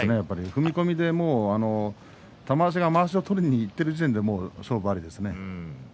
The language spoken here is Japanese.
踏み込みで玉鷲がまわしを取りにいっている時点で勝負ありでしたね。